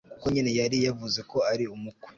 kuko nyine yari yavuze ko ari umukwe